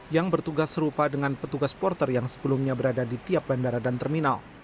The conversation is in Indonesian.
yang bertugas serupa dengan petugas porter yang sebelumnya berada di tiap bandara dan terminal